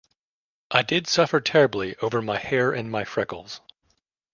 I did suffer terribly over my hair and my freckles.